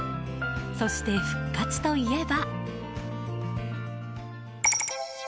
そして、復活といえば。